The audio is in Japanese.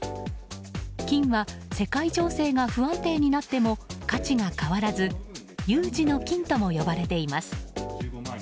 金は世界情勢が不安定になっても価値が変わらず有事の金とも呼ばれています。